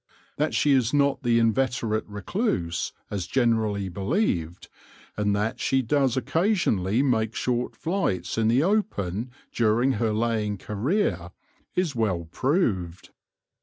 That she is not the inveterate recluse as generally believed, and that she does oc casionally make short flights in the open during her laying career, is well proved.